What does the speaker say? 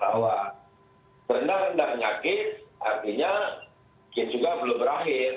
bahwa benda rendah nyakit artinya mungkin juga belum berakhir